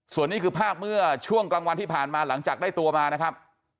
ส่วนนี้คือภาพเมื่อช่วงกลางวันที่ผ่านมาหลังจากได้ตัวมานะครับ